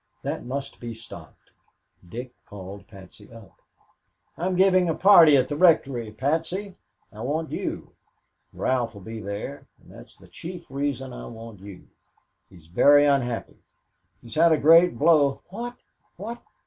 That must be stopped. Dick called Patsy up. "I'm giving a party at the Rectory, Patsy. I want you. Ralph will be here and that's the chief reason I want you. He is very unhappy. He has had a great blow " "What? What?